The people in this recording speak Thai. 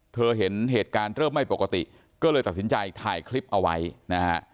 เห็นเหตุการณ์เริ่มไม่ปกติก็เลยตัดสินใจถ่ายคลิปเอาไว้นะฮะ